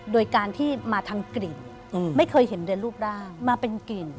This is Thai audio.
โดยการที่มาทางกลิ่นไม่เคยเห็นเดินรูปร่างมาเป็นกลิ่น